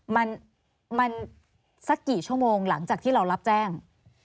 มันมันสักกี่ชั่วโมงหลังจากที่เรารับแจ้ง